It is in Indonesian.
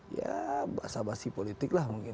ya basa basi politik lah mungkin